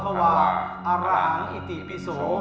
จับกวนทำไมเนี่ย